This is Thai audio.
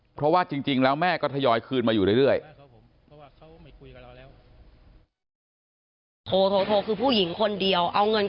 เพราะว่าจริงแล้วแม่ก็ทยอยคืนมาอยู่เรื่อย